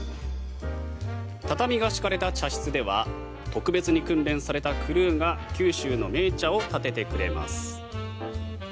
畳が敷かれた茶室では特別に訓練されたクルーが九州の銘茶をたててくれます。